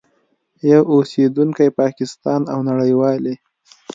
یو اوسېدونکی پاکستان او نړیوالي